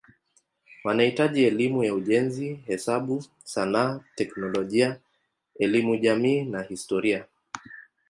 Wanahitaji elimu ya ujenzi, hesabu, sanaa, teknolojia, elimu jamii na historia.